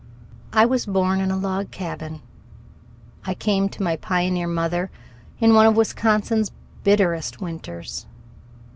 I was born in a log cabin. I came to my pioneer mother in one of Wisconsin's bitterest winters.